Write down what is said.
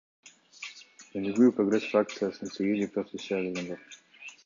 Өнүгүү — Прогресс фракциясынан сегиз депутат сессияга келген жок.